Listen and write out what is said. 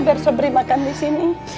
biar sobri makan disini